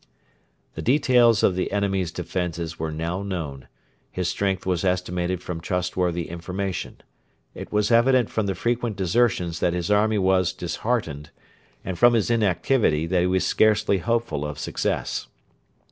The details of the enemy's defences were now known; his strength was estimated from trustworthy information. It was evident from the frequent desertions that his army was disheartened, and from his inactivity that he was scarcely hopeful of success.